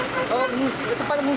oh ini rumah rumah ini dimana